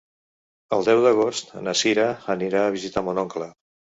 El deu d'agost na Sira anirà a visitar mon oncle.